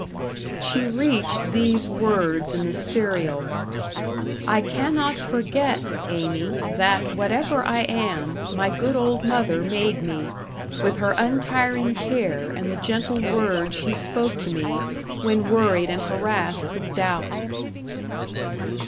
She reached these words in the serial: "I cannot forget, Amy, that whatever I am, my good old mother made me, with her untiring care and the gentle words she spoke to me when worried and harassed with doubt."